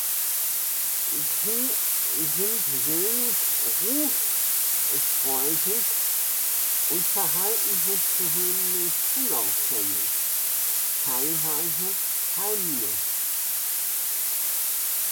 Sie sind wenig ruffreudig und verhalten sich gewöhnlich unauffällig, teilweise heimlich.